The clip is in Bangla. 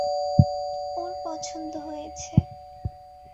ওর পছন্দ হয়েছে।